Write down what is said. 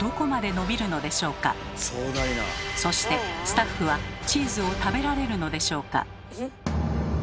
そしてスタッフはチーズを食べられるのでしょうか？